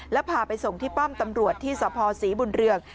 แล้วพาไปส่งที่ป้อมตำรวจที่สภศรีบุญเรือง